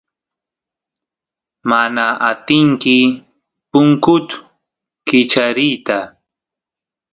mana atinki punkut kichariyta